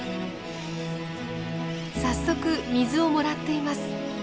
早速水をもらっています。